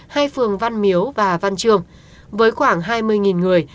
hai phường văn miếu và văn trường với khoảng hai mươi người